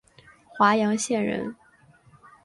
华阳县人。